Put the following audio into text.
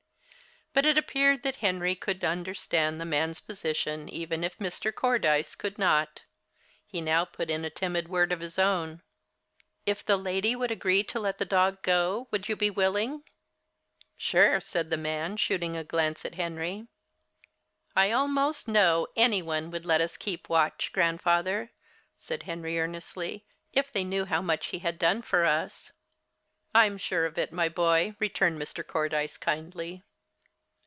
But it appeared that Henry could understand the man's position even if Mr. Cordyce could not. He now put in a timid word of his own. "If the lady would agree to let the dog go, would you be willing?" "Sure," said the man, shooting a glance at Henry. "I almost know any one would let us keep Watch, Grandfather," said Henry earnestly, "if they knew how much he had done for us." "I'm sure of it, my boy," returned Mr. Cordyce kindly.